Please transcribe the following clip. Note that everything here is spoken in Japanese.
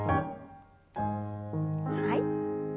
はい。